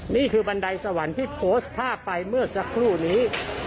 บันไดสวรรค์ที่โพสต์ภาพไปเมื่อสักครู่นี้